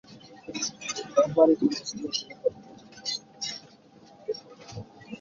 তারা ঘরবাড়ি অস্ত্র তৈরি করতে জানতো না।